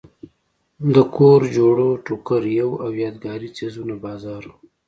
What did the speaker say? د کور جوړو ټوکریو او یادګاري څیزونو بازار و.